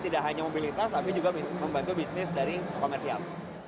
tidak hanya mobilitas tapi juga membantu bisnis dari komersial